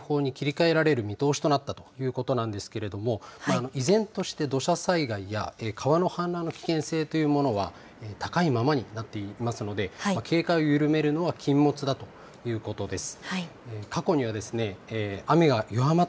大雨特別警報が警報に切り替えられる見通しとなったということですが依然として土砂災害や川の氾濫の危険性というものは高いままになっていますので警戒を緩めるのは禁物だということです。